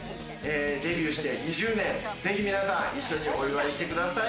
デビューして２０年、ぜひ皆さん一緒にお祝いしてください。